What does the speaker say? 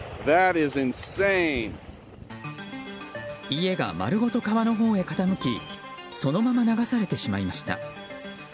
家が丸ごと川のほうへ傾きそのまま流されてしまいました。